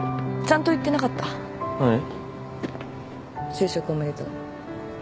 就職おめでとう。